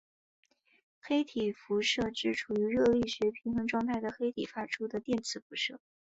黑体辐射指处于热力学平衡态的黑体发出的电磁辐射。